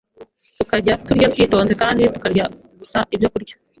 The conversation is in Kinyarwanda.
tukajya turya twitonze, kandi tukarya gusa ibyokurya